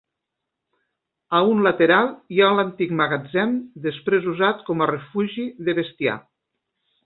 A un lateral hi ha l'antic magatzem després usat com a refugi de bestiar.